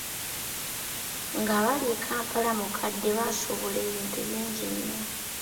Nga bali e Kampala-Mukadde, baasuubula ebintu bingi nnyo.